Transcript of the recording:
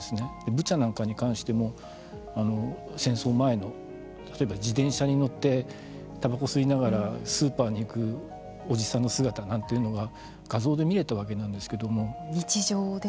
ブチャなんかに関しても戦争前の、例えば自転車に乗ってたばこを吸いながらスーパーに行くおじさんの姿なんかが画像で見れたわけなんですけれども。